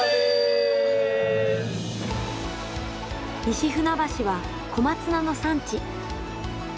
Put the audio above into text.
西船橋は小松菜の産地。